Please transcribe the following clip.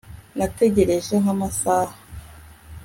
nategereje nkamasaha